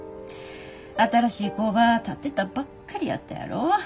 新しい工場建てたばっかりやったやろ。